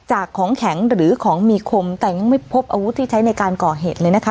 ของแข็งหรือของมีคมแต่ยังไม่พบอาวุธที่ใช้ในการก่อเหตุเลยนะคะ